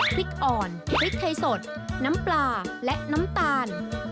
พริกอ่อนพริกไทยสดน้ำปลาและน้ำตาล